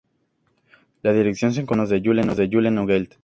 La dirección se encontraba en manos de Julen Ugalde.